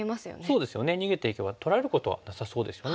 そうですよね逃げていけば取られることはなさそうですよね。